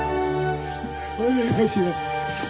お願いします。